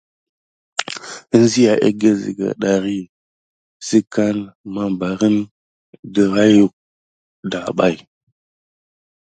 Ənzia egge zega ɗari si kan mabarain dirayuck dapay.